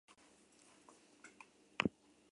Ninguno de los príncipes de Kiev se interesaban por ellas.